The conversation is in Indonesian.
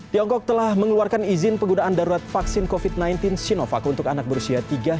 tiongkok telah mengeluarkan izin penggunaan darurat vaksin covid sembilan belas sinovac untuk anak berusia tiga tahun